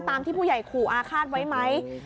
ที่ผู้ใหญ่ขู่อาฆาตไว้ไหม